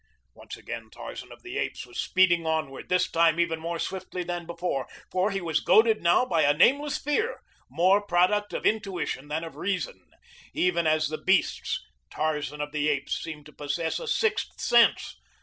Once again Tarzan of the Apes was speeding onward, this time even more swiftly than before, for he was goaded now by a nameless fear, more product of intuition than of reason. Even as the beasts, Tarzan of the Apes seemed to possess a sixth sense.